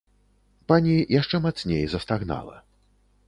Пані яшчэ мацней застагнала.